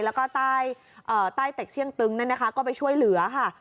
แล้วก็ใต้เต็กเชี่ยตึงนั่นนะคะก็ไปช่วยเหลือค่ะ